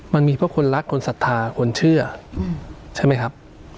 มันมีเพราะคนรักคนศรัทธาคนเชื่อใช่ไหมครับ